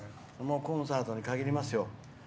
コンサートに限りますよ。